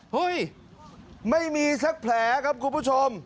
เฮ้ยไม่มีสักแผลครับคุณผู้ชม